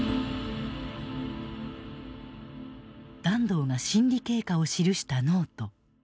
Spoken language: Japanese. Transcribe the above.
團藤が審理経過を記したノート。